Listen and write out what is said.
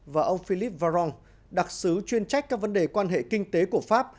và ông philippe varon đặc sứ chuyên trách các vấn đề quan hệ kinh tế của pháp